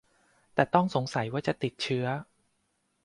แต่ต้องสงสัยว่าจะติดเชื้อ